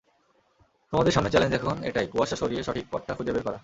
তোমাদের সামনে চ্যালেঞ্জ এখন এটাই—কুয়াশা সরিয়ে সঠিক পথটা খুঁজে বের করা।